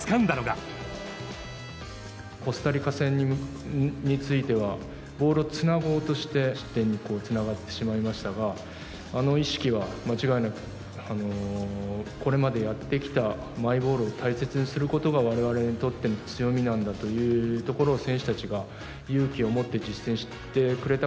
コスタリカ戦については、ボールをつなごうとして失点につながってしまいましたが、あの意識は間違いなく、これまでやってきた、マイボールを大切にすることがわれわれにとっての強みなんだというところを、選手たちが勇気を持って実践してくれた。